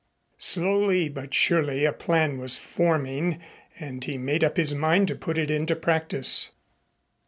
Slowly but surely a plan was forming and he made up his mind to put it into practice.